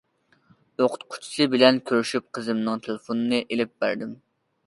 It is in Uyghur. ئوقۇتقۇچىسى بىلەن كۆرۈشۈپ قىزىمنىڭ تېلېفونىنى ئېلىپ بەردىم.